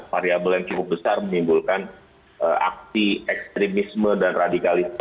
variable yang cukup besar menimbulkan akti ekstremisme dan radikalisme